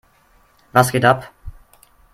Was geht ab?